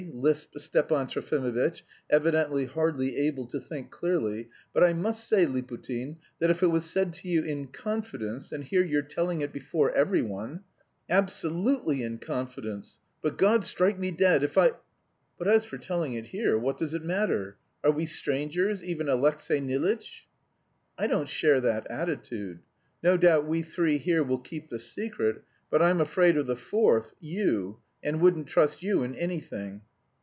lisped Stepan Trofimovitch, evidently hardly able to think clearly, "but I must say, Liputin, that if it was said to you in confidence, and here you're telling it before every one..." "Absolutely in confidence! But God strike me dead if I... But as for telling it here... what does it matter? Are we strangers, even Alexey Nilitch?" "I don't share that attitude. No doubt we three here will keep the secret, but I'm afraid of the fourth, you, and wouldn't trust you in anything...."